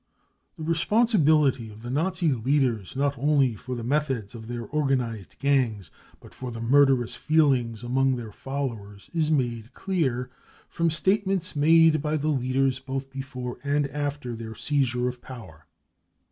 The re r sjjonsibility of the Nazi leaders not only for the methods of their organised gangs but for the murderous feelings among 202 BROWN BOOK OF THE HITLER TERROR their followers is made clear from statements made by the leaders both before and after their seizure of power.